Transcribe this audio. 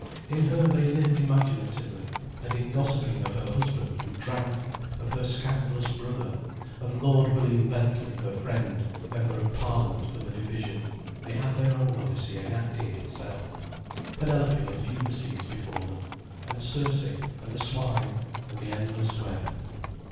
In her they lived imaginatively, and in gossiping of her husband who drank, of her scandalous brother, of Lord William Bentley her friend, member of Parliament for the division, they had their own Odyssey enacting itself, Penelope and Ulysses before them, and Circe and the swine and the endless web.